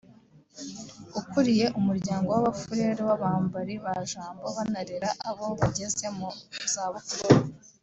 ukuriye umuryango w’Abafurere b’Abambari ba Jambo banarera abo bageze mu zabukuru